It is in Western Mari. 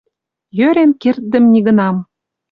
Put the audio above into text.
Йӧрен керддӹм нигынам